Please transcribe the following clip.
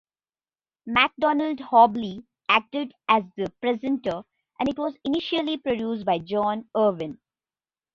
McDonald Hobley acted as the presenter, and it was initially produced by John Irwin.